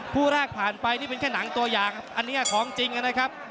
ผู้แรกผ่านไปเป็นก็นังตัวอย่างครับอันนี้เอาของจริงครับ